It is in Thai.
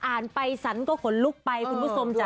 อ่านไปสรรก็ขนลุกไปคุณผู้ชมจ้ะ